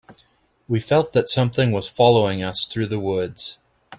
We felt that something was following us through the woods.